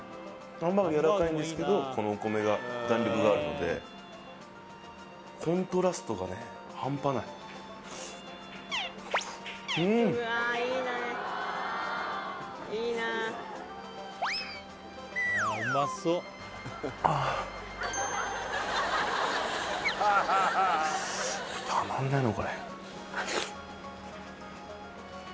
ハンバーグやわらかいんですけどこのお米が弾力があるのでコントラストがねハンパないうんたまんないな